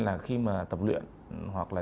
là khi mà tập luyện hoặc là